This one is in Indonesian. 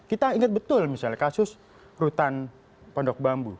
kita ingat betul misalnya kasus rutan pondok bambu